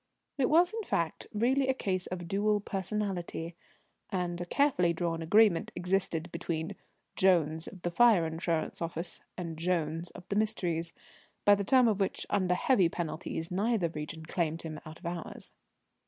It was, in fact, really a case of dual personality; and a carefully drawn agreement existed between Jones of the fire insurance office and Jones of the mysteries, by the terms of which, under heavy penalties, neither region claimed him out of hours.